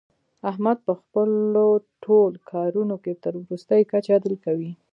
احمد په خپلو ټول کارونو کې تر ورستۍ کچې عدل کوي.